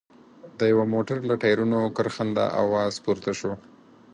د يوه موټر له ټايرونو کرښنده اواز پورته شو.